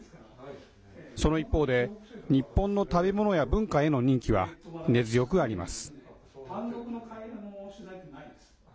その一方で日本の食べ物や文化への人気は根強くあります。